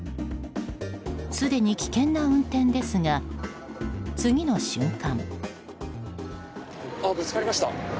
すでに危険な運転ですが次の瞬間。